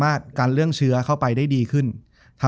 จบการโรงแรมจบการโรงแรม